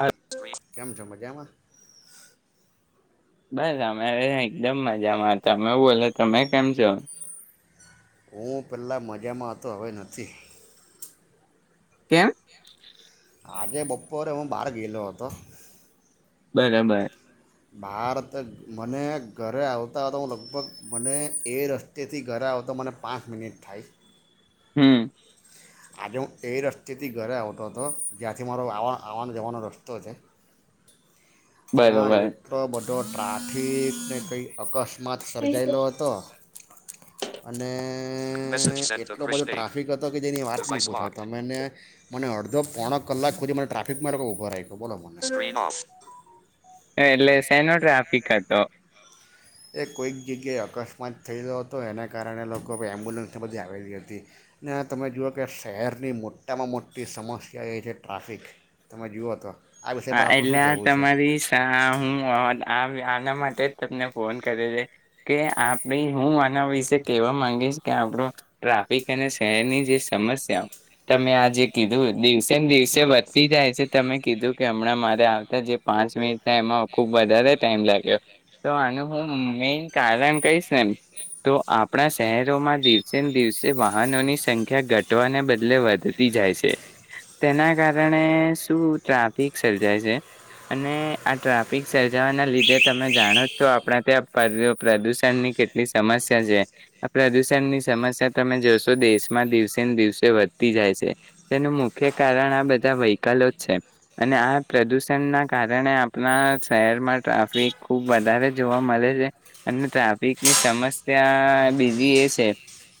હ. કેમ છો મજામાં. બસ અમે એકદમ મજામાં હતામે બોલો તમે કેમ છો. હું પેલા મજામાંતો હવે નથી. કેમ. આજે બપોરે હું બહાર ગયેલો હતો. બરાબર. બહાર તો મને ઘરે આવતાતા હું લગભગ મને એ રસ્તેથી ઘરે આવતા મને પાંચ મિનિટ થાય હમ્મ. આજે હું એ રસ્તેથી ઘરે આવતો હતો જ્યાંથી મારોવા આવવાન જવાનો રસ્તો છે. ત્યાં બરોબર એટલો બધો. તો ટ્રાફિક ને કઈ અકસ્માત માત સર્જાયેલો હતો. અને એટલો બધો ટ્રાફિક હતો કે જેની વાત ત મને અડધો પોણ કલાક સુધી મને ટ્રાફિક ઉભો બોલો મ એટલે સેનો ટ્રાફિક હતો એ કોઈક જગ્યાએ અકસ્માત થઈ ગ્યો હતો એના કારણે લોકો એમ્બ્યુલન્સને બધી આવેલી હતી ને તમે જુઓ કે શહેરની મોટામાં મોટી સમસ્યા એ છે ટ્રાફિક તમે જુઓ તો આ વિષય પર આપણું શું કહેવું છે. પ હું આના માટે જ તમને ફોન કરે છે કે આપડી હું આના વિશે કેહેવા માંગીશ કે આપણ ટ્રાફિક અને શહેરની જે સમસ્યા તમે આ જે કીધું દિવસે ને દિવસે વધતી જાય છે તમે કીધું. કે હમણાં મારે આવતા જે પાંચ મિનિટ થાય એમાં ખૂબ વધારે ટાઈમ લાગ્યો તો આનું હું મેન કારણ કહીશ મ તો આપણા શહેરોમાં દિવસે ને દિવસે વાહનોની સંખ્યા ઘટવાને બદલે વધતી જાય છે તેના કારણે શું ટ્રાફ. સર્જાય છે અને આ ટ્રાફિક સર્જાવાના લીધે તમે જાણો તો આપણા ત્યાં પ્રદુષણની કેટલી સમસ્યા છે આ પ્રદુષણની સમસ્યા તમે જોશો દેશમાં દિવસે ને દિવસે વધતી જાય છે તેનું મુખ્ય કારણ આ બધા વ્હીકલો જ છે. અને આ પ્રદૂષણના કારણે આપણા શહેરમાં ટ્રાફિક ખૂબ વધારે જોવા મળે છે અને ટ્રાફિકની સમસ્યા બીજી એ છે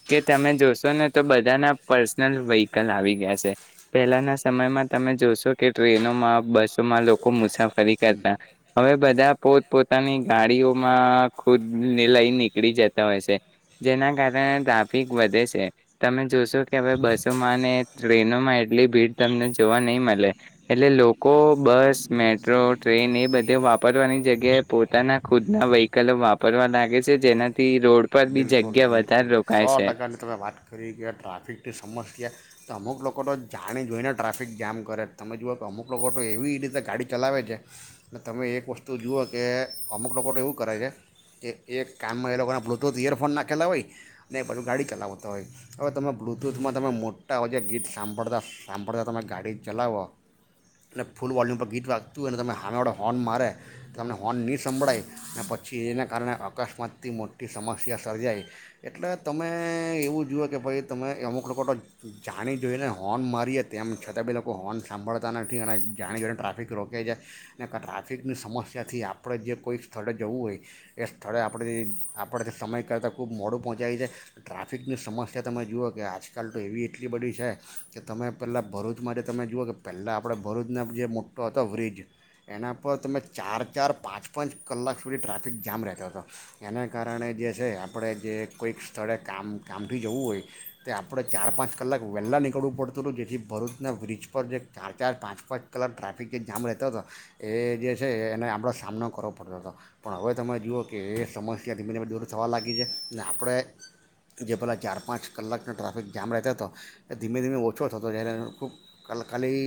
કે તમે જોશો ને તો બધાના પર્સનલ વ્હીકલ આવી ગયા છે પહેલાંના સમયમાં તમે જોશો કે. ટનોમાં બસોમાં લોકો મુસાફરી કરતા હવે બધા પોત પોોતાની ગાડીઓમાં ખુદ ને લઈ નીકળી જતા હોય છે જેના કારણે ટ્રાફિક વધે છે તમે જોશો કે હવે બસોમાં ટ્રેનોમાં એટલી ભીડ તમને જોવા નહી મળે. એટલે લોકો બસ મેટ્રો ટ્રેન એ બધે વાપરવાની જગ્યાએ પોતાના ખુદના વ્હીકલો વાપરવા લાગે છે જેનાથી રોડ. પર બી બિલકુલ જગ્યા બિલકુલ વધારે સો રોકાય છે ટકાની તમે વાત કરી કે ટ્રાફિકની સમસ્યા તો અમુક લોકો. લોકો તો જાણી જોઈને ટ્રાફિક જામ કરે તમે જુઓ કે અમુક લોકો તો એવી રીતે ગાડી ચલાવે છે તમે એક વસ્તુ જુઓ કે અમુક લોકો તો એવું કરે છે કે એક કામમાં એ લોકોના. બટૂથ ઈયરફોન નાખેલા હોય ને એ બાજુ ગાડી ચલાવતા હોય હવે તમે બ્લુટૂથમાં તમે મોટા જે ગીત સાંભળતા સાંભળતા તમે ગાડી ચલાવો અને ફૂલ વોલ્યુમ પર ગીત વાગતું હોય ને તમે હાના વડે હોર્ન મારે તો તમને હોર્ન નહીં સંંભળાય ને પછી એને કારણે અકસ્માતથી મો. થી સમસ્યા સર્જાય એટલે તમે એવું જુઓ કે ભાઈ તમે અમુક લોકો તો જાણી જોઈને હોર્ન મારીએ તેમ છતાં બ લોકો હોર્ન સાંભળતા નથી અને જાણી જોઈને ટ્રાફિક રોકે જાય અનેને ટ્રાફિકની સમસ્યાથી આપણે જે કોઈક સ્થળે જવું હોય એ સ્થળે આપણે. આપણે સમય કરતાં ખૂબ મોડું પહોંચા છે ટ્રાફિકની સમસ્યા તમે જુઓ કે આજકાલ તો એવી એટલી બધી છે કે તમે પહેલાં ભરૂચમાં જે તમે જુઓ કે પહેલાં આપણે ભરૂચના જે મોટો હતો બ્રિજ એના પર તમે ચાર ચાર પાંચ પાંચ કલાક સુધી ટ્રાફિક જામ રહેતો હતો એને. કારણે જે છે આપણે જે કોઈક સ્થળે કામ કામથી જવું હોય તે આપણે ચાર પાંચ કલાક વહેલાં નીકળવું પડતું હતું જેથી ભરૂચના બ્રિજ પર જે ચાર ચાર પાંચ પાંચ કલાક ટ્રાફિક જે જામ રહેતો હતો એ જે છે એને આપણેો સામનો કરવો પડતો હતો પણ હવે તમે જુઓ કે એ સમસ્યા. ત્યાં ધીમે ધીમે દૂર થવા લાગી છે અને આપણે જે પહેલાં ચાર પાંચ કલાકનો ટ્રાફિક જામ રહેતો હતો એ ધીમે ધીમે ઓછો થતો જ્યારે ખૂબ કલકાલી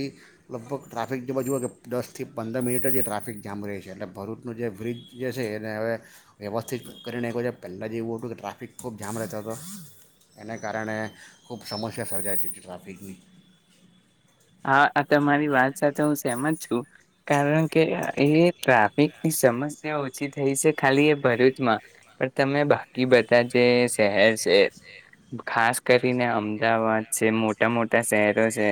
લગભગ ટ્રાફિક જે બાજુઓ કે દસથી પંદર મિનિટ જ એ ટ્રાફિક જામ રહે છે એટલે ભરૂચનું જે બ્રિજ જે છે એને હવે વ્યવસ્થા. નથીથી કરીને એક વજા પહેલાં જે એવું હતું કે ટ્રાફિક ખૂબ જામ રહેતો હતો એને કારણે ખૂબ સમસ્યા સર્જાાઈતી હતી ટ્રાફિકની. હા આ તમારી વાત સાથે હું સહેમત છું. કારણ કે એ ટ્રાફિકની સમસ્યા ઓછી થઈ છે ખાલી એ ભરૂચમાં પણ તમે બાકી બધા જે. શહેર છે ખાસ કરીને અમદાવાદ છે. મોટા મોટા શહેરો છે.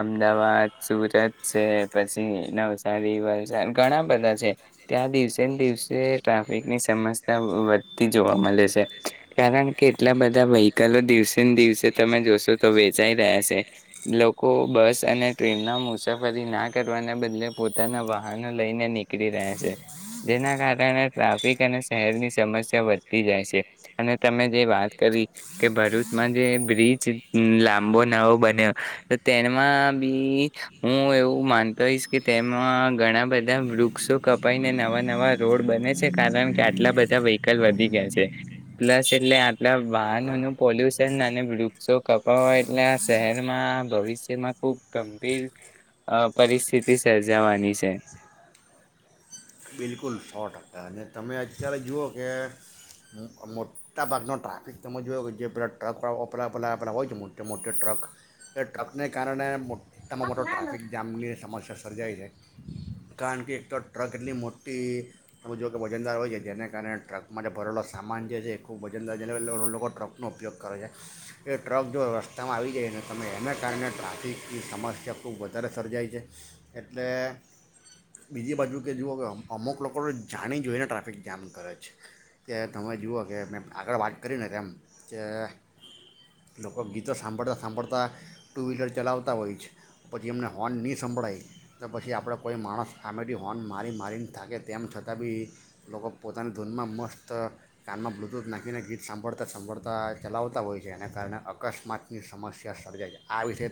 અમદાવાદ સુરત છે પછી નવસારી વલસાડ ઘણા બધા છે ત્યાં દિવસે ને દિવસે ટ્રાફિકની સમસ્યા વધતી જોવા મળે છે કારણ કે એટલા બધા વ્હીકલો દિવસે ને દિવસે તમે જોશો તો વેચાઈ રહ્યા છે લોકો. બસ અને ટ્રેનમાં મુસાફરી ના કરવાના બદલે પોતાના વાહનો લઈને નીકળી રહ્યા છે જેના કારણે ટ્રાફિક અને શહેરની સમસ્યા વધતી જાય છે અને તમે જે વાત કરી કે ભરૂચમાં જે બ્રિજ લાંબો નવો બન્યો. તેમાં બી હું એવું માનતો હોઈશ કે તેમાં ઘણા બધા વૃક્ષો કપાઈને નવા નવા રોડ બને છે કારણ કે આટલા બધા વ્હીકલ વધી ગયા છે પ્લસ એટલે આટલા વાહનોનું પોલ્યુશન અને વૃક્ષો કપાવ એટલે આ શહેરમાં ભવિષ્ય. જેમાં ખુબ ગંભીર પરિસ્થિતિ સર્જાવાની છે. બિલકુલ સો ટકા અને તમે અત્યારે જુઓ કે મોટાભાગનો ટ્રાફિક તમે જોુઓ કે જે પેલા ટ્રક વપરાપરાેલા હોય છે મોટે મોટે ટ્રક એ ટ્રકને કારણે. એક તમામાં મોટો ટ્રાફિક જામની સમસ્યા. સર્જાય છે કારણ કે એક તો ટ્રક એટલી મોટી. ખટી તમે જોુ કે વજનદાર હોય છે જેને કારણે ટ્રકમાં જે ભરેલો સામાન જે છે એ ખૂબ વજનદાર જેને લોકો ટ્રકનો ઉપયોગ કરે છે એ ટ્રક જો રસ્તામાં આવી જાયને તમે એને કારણે ટ્રાફિકની સમસ્યા ખૂબ વધારે સર્જાય છે એટલે બીજી બાજુ કે જુઓ કેમ. અમુક લોકો જાણી જોઈને ટ્રાફિક જામ કરે છે કે તમે જુઓ કે મેં આગળ વાત કરીને તેમ કે લોકો ગીતો સાંભળતાં સાંભળતાં ટુ વ્હીલર ચલાવતા હોય છે પછી એમને હોર્ન નહીં સંંભળાય તો પછી આપણે કોઈ માણસ આમેથીી હોર્ન મારી મારીને. થાકે તેમ છતાં બી લોકો પોતાની ધૂનમાં મસ્ત કાનમાં બ્લુટૂથ નાખીને ગીત સાંભળતા સાંભળતા ચલાવતા હોય છે એના કારણે અકસ્માતની સમસ્યા સર્જાય છે આ વિષય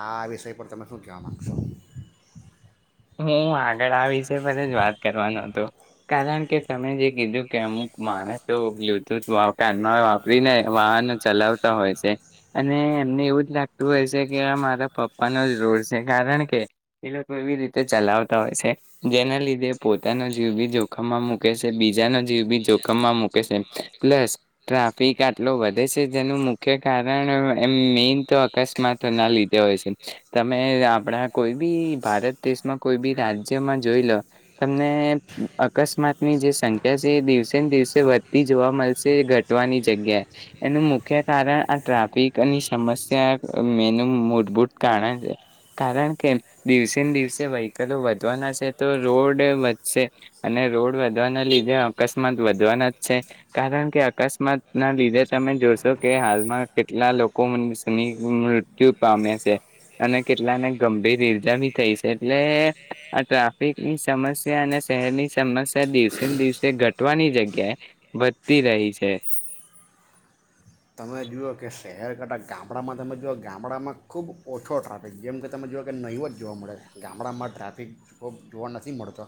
આ વિષય પર તમે શું કહેવા માગશો. હમ આ. આ વિષ પર જ વાત કરવાનો હતો કારણ કે. તમે જે કીધું કે અમુક માણસો બ્લુટૂથ કાનમાં વાપરીને વાહનો ચલાવતા હોય છે અને એમને એવું જ લાગતું હોય છે કે આ મારા પપ્પાનોો જ રોડ છે કારણ કે એ લોકો એવી રીતે. તે ચલાવતા હોય છે જેના લીધે પોતાનો જીવ બી જોખમમાં મૂકે છે બીજાનો જીવ બી જોખમમાં મૂકે છે પ્લસ ટ્રાફિક આટલો વધે છે જેનું મુખ્ય કારણ એમ મેન તો અકસ્માતો ના લીધે હોય છે તમે આપણા કોઈ બી ભારત. દેશમાં કોઈ બી રાજ્યમાં જોઈ લો તમને અકસ્માતની જે સંખ્યા છે એ દિવસે ને દિવસે વધતી જોવા મળશે ઘટવાની જગ્યાએ એનું મુખ્ય કારણ આ ટ્રાફિકની સમસ્યા એનું મૂળભૂત કારણ છે કારણ કે દિવસેને દિવસે. વ્હીકલો વધવાના છે તો રોડ વધશે અને રોડ વધવાના લીધે અકસ્માત વધવાના જ છે કારણ કે અકસ્માત ના લીધે તમે જોશો કે હાલમાં કેટલા લોકો મૃત્યુ પામ્યા છે અને કેટલાને ગંભીર ઈર્જા ભી થઈ. એટલે આ ટ્રાફિકની સમસ્યા અને શહેરની સમસ્યા દિવસે ને દિવસે ઘટવાની જગ્યાએ વધતી રહી છે. તમે જુઓ કે શહેર કરતા ગામડામાં તમે જુઓ ગામડામાં ખૂબ ઓછો ટ્રાફિક જેમ કે તમે જુઓ કે નહીંવ જ જોવા મળે છે ગામડામાં ટ્રાફિક જોબ જોવા નથી મળતો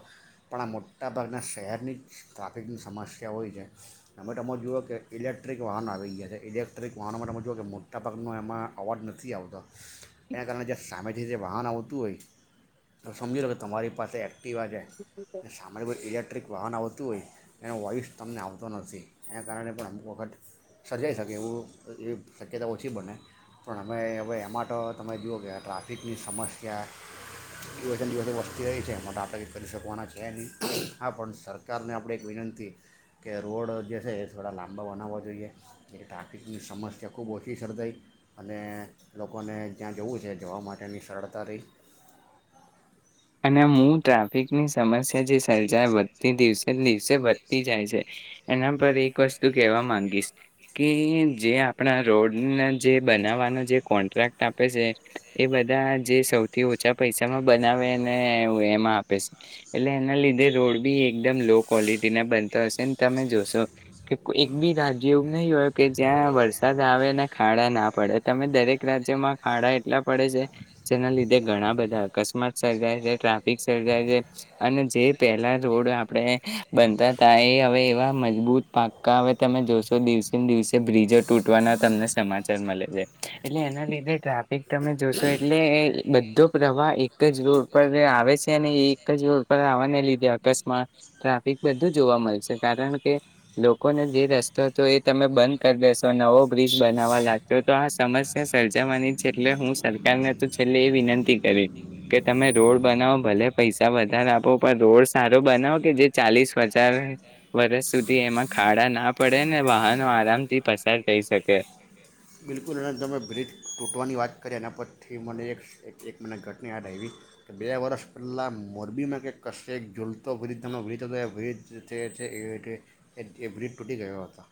પણ આ મોટાભાગના શહેરની જ ટ્રાફિકની સમસ્યા હોય છે તમે તમે જુઓ કે ઇલેક્ટ્રિક વાહનો આવી ગયા છે. ઇલેક્ટ્રિક વાહનો માટે જો કે મોટા ભાગનો એમાં અવાજ નથી આવતો એના કારણે જ સામેથી જે વાહન આવતું હોય તો સમજી લો કે તમારી પાસે એક. પીવા જાય ને સાંળ્યભર ઇલેક્ટ્રિક. વાહન આવતું હોય એનો વોઇસ તમને આવતો નથી એના કારણે પણ અમુક વખત સર્જાઈ શકે. કે એવું એવી શક્યતા ઓછી બને પણ અમે હવે એ માટે તો તમે જુઓ કે ટ્રાફિકની સમસ્યા દિવસે દિવસે વસ્તી રહી છે એમાં માટે આપણે ક કરી શકવાના છે નહીં હા પણ સરકારને આપણે એક વિનંતી કે રોડ જે છે એ થોડા લાંબા બનાવવા જોઈએ. એ ટ્રાફિકની સમસ્યા ખૂબ ઓછી સર્જાઈ અને લોકોને જ્યાં જવું છે જવા માટેની સરળતા રહી. અને હું ટ્રાફિકની સમસ્યા જે સર્જાય વધતી દિવસે દિવસે વધતી જાય છે એના પર એક વસ્તુ કહેવા માંગીશ કે જે આપણા રોડના જે બનાવવાનો જે કોન્ટ્રાક્ટ આપે છે એ બધા જે સૌથી ઓછા પૈસામાં બનાવે. ને એમાં આપે છે એટલે એના લીધે રોડ બી એકદમ લો ક્વોલિટી ના બનતો હશે તમે જોશો કે એક બી રાજ્ય એવું નહીિ હોય કે જ્યાં વરસાદ આવે અને ખાડા ના પડે તમે દરેક રાજ્યમાં ખાડા એટલા પડે છે જેના લીધે ઘણા બધા અકસ્માત. ટાફિક સાય છે અને જે પહેલા રોડ આપણે બનતા હતા એ હવે એવા મજબૂત પાક્કા હવે તમે જોશો દિવસે ને દિવસે બ્રિજો તૂટવાના તમને સમાચાર મળે છે એટલે એના લીધે ટ્રાફિક તમે જોશો એટલે બધો પ્રવાહ એક રોડ પર આવે છે અને એ એક જ રોડ પર આવવાને લીધે અકસ્માત ટ્રાફિક બધું જોવા મળશે કારણ કે લોકોને જે રસ્તો હતો એ તમે બંધ કરી દેેશો નવો બ્રિજ બનાવવા લાગશો તો આ સમસ્યા સર્જાવાની છે એટલે હું સરકારને તો છેલ્ એ વિનંતી કરીશ કે તમે રોડ બનાવો ભલે પૈસા વધારે આપો પણ રોડ સારો બનાવો કે જે ચાલીસ હજાર વર્ષ સુધી એમાં ખાડા ના પડે ને વાહનો આરામથી પસાર થઈ શકે બિલકુલ એ તમે બ્રિજ તૂટવાની વાત કરી એના પરથી મને એક એક મને ઘટના યાદ આવી તો બે વર્ષ પહેલાં મોરબીમાં કે કશે એક ઝૂલતો બ્રિજનો બ્રિજ હતો એ બ્રિજ એ એ બ્રિજ તૂટી ગયો હતો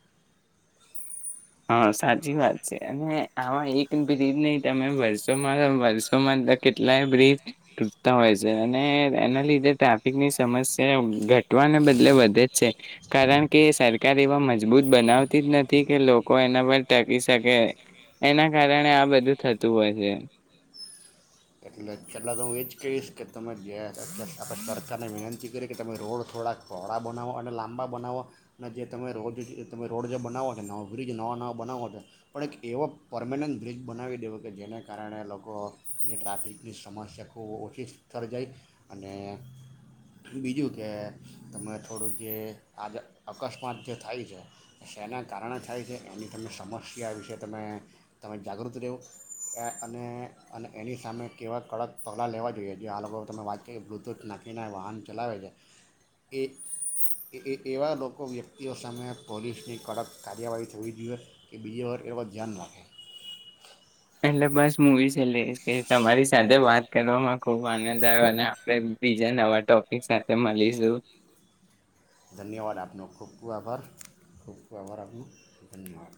હા સાચી વાત છે અને આવા એક બ્રિજ નહી તમે વર્ષોમાં વર્ષોમાં કેટલાય બ્રિજ તૂટતા હોય છે અને એના લીધે ટ્રાફિકની સમસ્યા ઘટવાને બદલે વધે જ છે કારણ કે સરકાર એવા મજબૂત બનાવતી જ નથી કે કોઈ એના પર ટકી શકે એના કારણે આ બધું થતું હોય છે એટલા તો હું એ જ કહીશ કે તમે જે આપણે સરકારને વિનંતી કરી કે તમે રોડ થોડાક કોળા બનાવો અને લાંબા બનાવો અનેને જે તમે રોજ તમે રોડ જે બનાવો છે નવો બ્રિજ નવા નવા બનાવો છેો પણ એક એવો પરર્મનન્ટ બ્રિજ બનાવી દેવો કે જેને કારણે લોકોની ટ્રાફિક ની સમસ્યા ખૂબ ઓછી સ્થરે જાય અને બીજું કે તમે થોડુંક જે આજે અકસ્માત જે થાય છે શના કારણે થાય છે એની તમે સમસ્યા વિશે તમે તમે જાગૃત રહેવો એ અને અને એની સામે કેવા કડક પગલાં લેવા જોઈએ જે આ લોકો તમે વાત કરી બ્લુટૂથ નાખીને વાહન ચલાવે છે એ એ એવા લોકો વ્યક્તિઓ સામે પોલીસની કડક કાર્યવાહી થવી જોઈએ કે બીજી વર એવ ધ્યાન રાખે એટ બસ મુવી લ કે તમારી સાથે વાત કરવામાં ખુબ આનંદ આવ્યો અને આપણે બીજા નવા ટોપિક સાથે મળીશું ધન્યવાદ આપનો ખૂબ ખૂબ આભાર ખૂબ ખૂબ આભાર આપનો ધન્યવાદ